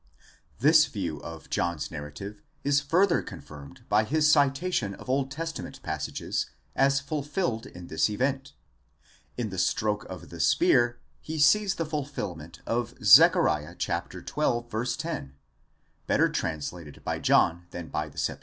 This view of John's narrative is further confirmed by his citation of Old Testament passages, as fulfilled in this event. In the stroke of the spear he sees the fulfilment of Zech. xii, ro (better translated by John than by the LXX.)